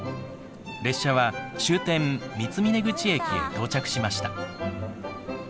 列車は終点三峰口駅へ到着しました。